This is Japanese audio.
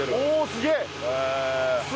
すげえ！